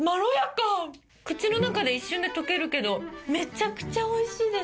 口の中で一瞬で溶けるけどめちゃくちゃおいしいです。